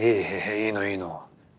いいのいいの。